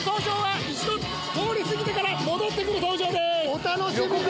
お楽しみに！